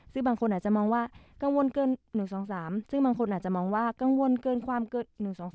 ซึ่งบางคนอาจจะมองว่ากังวลเกิน๑๒๓ซึ่งบางคนอาจจะมองว่ากังวลเกินความเกิน๑๒๒